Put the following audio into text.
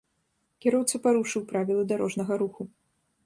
Кіроўца парушыў правілы дарожнага руху.